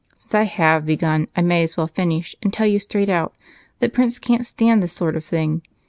Since I have begun, I may as well finish and tell you straight out that Prince can't stand this sort of thing.